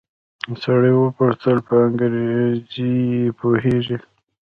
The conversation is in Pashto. سړي وپوښتل په انګريزي پوهېږې.